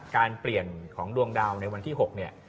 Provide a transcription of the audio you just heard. การเปลี่ยนของดวงดาวในวันที่๖เนี่ย